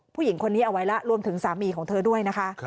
ผู้หญิงคนนี้เอาไว้แล้วรวมถึงสามีของเธอด้วยนะคะ